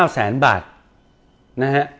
๙แสนบาทนะฮะ